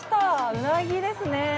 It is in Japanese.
うなぎですね。